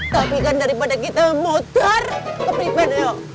tapi kan daripada kita yang motor ke pripen yuk